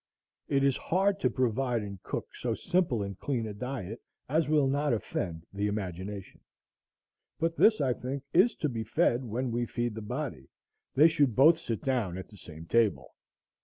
It is hard to provide and cook so simple and clean a diet as will not offend the imagination; but this, I think, is to be fed when we feed the body; they should both sit down at the same table.